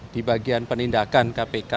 di bagian penindakan kpk